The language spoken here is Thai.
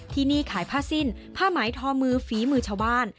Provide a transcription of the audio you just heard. ที่นี่ขายผ้าสิ้นผ้าไหมทอมือฝีมือชาวบ้าน